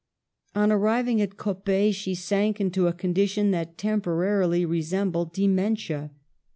On arriving at Coppet, she sank into a condi tion that temporarily resembled dementia.